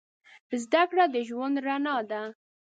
زده کړه د ژوند رڼا ده.